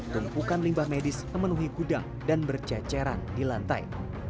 tumpukan limbah medis memenuhi gudang dan berceceran di lantai